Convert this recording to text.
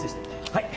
はい。